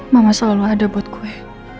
mama selalu ada buat gue